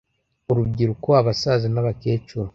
urubyiruko abasaza n’abakecuru